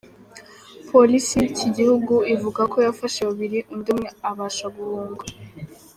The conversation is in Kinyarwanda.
Polisi y’iki gihugu ivuga ko yafashe babiri undi umwe abasha guhunga.